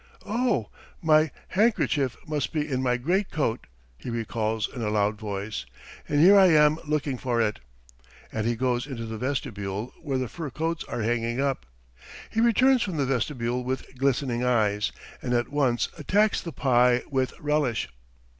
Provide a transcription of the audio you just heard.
"Oh, my handkerchief must be in my greatcoat," he recalls in a loud voice, "and here I am looking for it," and he goes into the vestibule where the fur coats are hanging up. He returns from the vestibule with glistening eyes, and at once attacks the pie with relish.